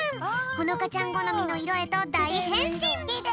ほのかちゃんごのみのいろへとだいへんしん！